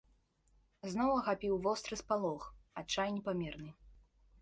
Зноў ахапіў востры спалох, адчай непамерны.